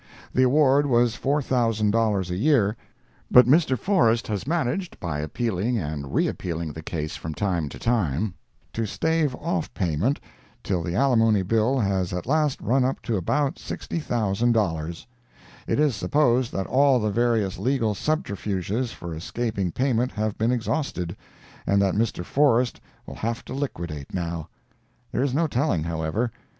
The award was $4,000 a year, but Mr. Forrest has managed, by appealing and re appealing the case from time to time, to stave off payment, till the alimony bill has at last run up to about $60,000. It is supposed that all the various legal subterfuges for escaping payment have been exhausted, and that Mr. Forrest will have to liquidate, now. There is no telling, however.